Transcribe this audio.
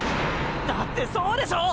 だってそうでしょう